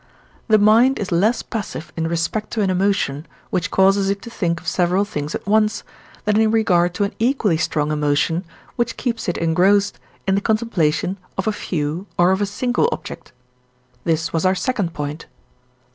the mind is less passive in respect to an emotion, which causes it to think of several things at once, than in regard to an equally strong emotion, which keeps it engrossed in the contemplation of a few or of a single object: this was our second point.